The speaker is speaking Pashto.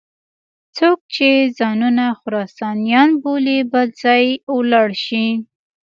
څوک چې ځانونه خراسانیان بولي بل ځای ولاړ شي.